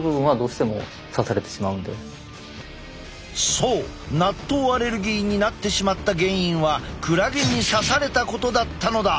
そう納豆アレルギーになってしまった原因はクラゲに刺されたことだったのだ。